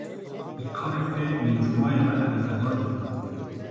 Bi karê xwe yê nîvcomayî re eleqedar dibû.